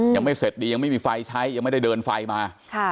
ยังไม่เสร็จดียังไม่มีไฟใช้ยังไม่ได้เดินไฟมา